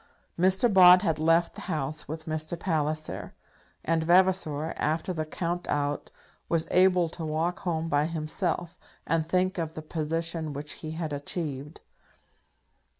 Mr. Bott had left the House with Mr. Palliser; and Vavasor, after the count out, was able to walk home by himself, and think of the position which he had achieved.